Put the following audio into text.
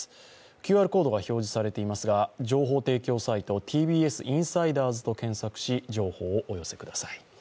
ＱＲコードが表示されていますが、情報提供サイト、ＴＢＳインサイダーズと検索し、情報をお寄せください。